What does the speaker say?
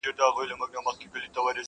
• وجود شراب شراب نشې نشې لرې که نه,